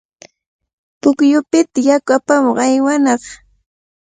Pukyupita yaku apamuq aywanaq.